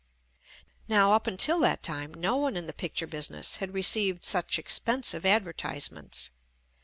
Now, up until that time no one in the picture business had received such expensive advertisements.